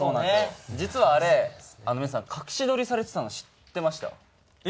実はあれ、隠し撮りされてたの知ってました？